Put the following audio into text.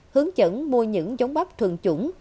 hướng dẫn mua những giống bắp thường chủng